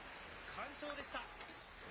完勝でした。